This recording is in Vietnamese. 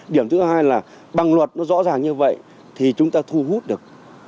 điểm thứ hai là bằng luật nó rõ ràng như vậy thì chúng ta thu hút được